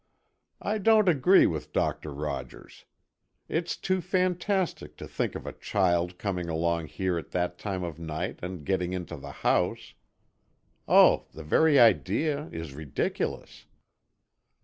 I don't agree with Doctor Rogers. It's too fantastic to think of a child coming along here at that time of night and getting into the house——Oh, the very idea is ridiculous."